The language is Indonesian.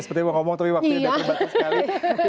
seperti yang mau ngomong tapi waktu ini sudah terbatas sekali